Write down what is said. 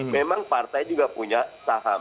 memang partai juga punya saham